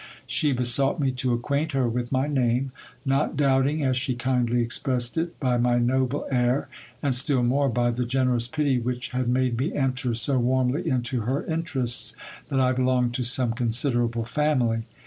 She besought me to acquaint her with my name, not doubting, as she kindly expressed it, by my noble air, and still more by the generous pity which had made me enter so warmly into her interests, that I belonged to some con siderable family.